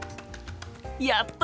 やった！